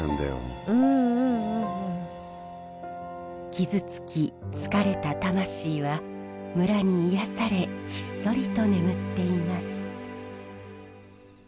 傷つき疲れた魂は村に癒やされひっそりと眠っています。